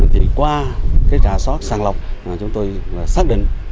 thì qua trả soát sang lọc chúng tôi xác định